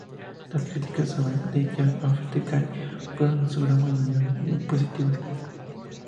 Las críticas sobre "The Years of Decay" fueron en su gran mayoría muy positivas.